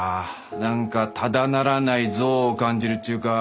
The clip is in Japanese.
なんかただならない憎悪を感じるっちゅうか。